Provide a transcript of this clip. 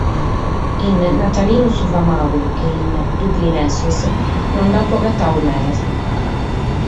In “Natalinu su famadu” e in “Dublinesos” no nd’apo agatadu medas.